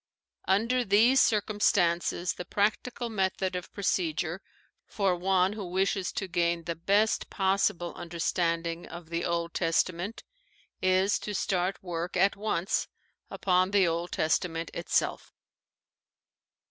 Under these circumstances the practical method of procedure for one who wishes to gain the best possible understanding of the Old Testament is to start work at once upon the Old Testament itself.